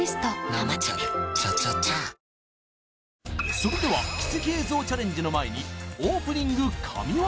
それでは奇跡映像チャレンジの前にオープニング神業